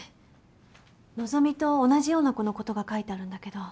希と同じような子の事が書いてあるんだけど。